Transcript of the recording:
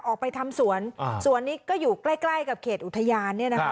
ออกไปทำสวนสวนนี้ก็อยู่ใกล้ใกล้กับเขตอุทยานเนี่ยนะคะ